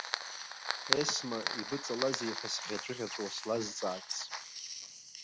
Есма, ибыҵалазеи ҳәа сӷьаҵәыӷьаҵәуа слазҵаарц.